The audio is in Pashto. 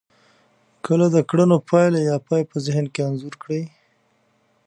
که د کړنو پايله يا پای په ذهن کې انځور کړی.